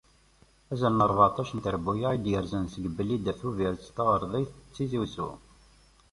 Azal n rbeεṭac n trebuyyaɛ i d-yerzan seg Blida, Tubiret, Taɣerdayt, Tizi Uzzu.